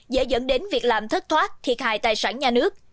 dễ dẫn đến việc làm thất thoát thiệt hại tài sản nhà nước